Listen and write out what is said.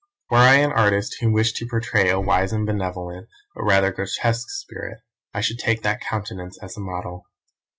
Were I an artist who wished to portray a wise and benevolent, but rather grotesque spirit, I should take that countenance as a model.